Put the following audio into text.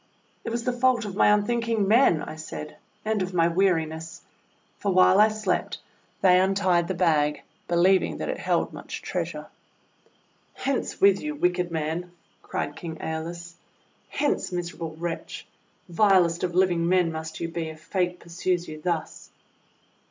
:*It was the fault of my unthinking men," I said, "and of my weariness. For while I slept they untied the bag, believing that it held much treasure." 272 THE WONDER GARDEN * Hence with you, wicked man!' cried King ^Eolus. ;< Hence, miserable wretch! Vilest of living men must you be if Fate pursues you thus!"